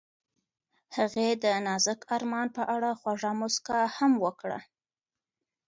هغې د نازک آرمان په اړه خوږه موسکا هم وکړه.